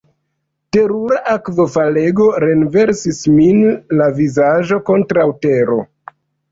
Terura akvofalego renversis min, la vizaĝo kontraŭ tero.